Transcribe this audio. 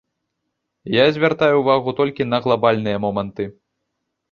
Я звяртаю ўвагу толькі на глабальныя моманты.